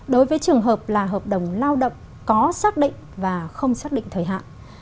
đối với trường hợp là hợp đồng lao động có xác định và không xác định thời hạn